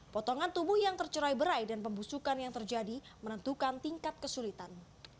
potongan tubuh yang tercerai berai dan pembusukan yang terjadi menentukan tingkat kesulitan